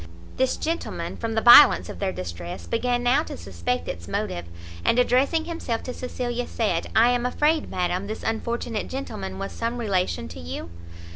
This gentleman, from the violence of their distress, began now to suspect its motive, and addressing himself to Cecilia, said, "I am afraid, madam, this unfortunate gentleman was some Relation to you?"